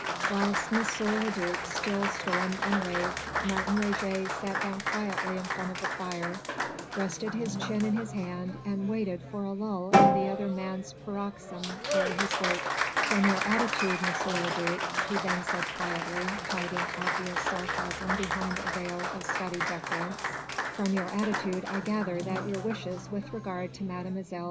Whilst M. le duc still stormed and raved, Martin Roget sat down quietly in front of the fire, rested his chin in his hand and waited for a lull in the other man's paroxysm ere he spoke. "From your attitude, M. le duc," he then said quietly, hiding obvious sarcasm behind a veil of studied deference, "from your attitude I gather that your wishes with regard to Mlle.